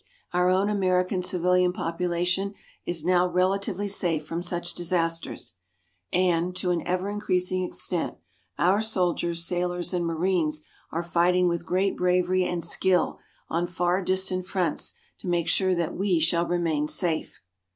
Our own American civilian population is now relatively safe from such disasters. And, to an ever increasing extent, our soldiers, sailors and marines are fighting with great bravery and great skill on far distant fronts to make sure that we shall remain safe.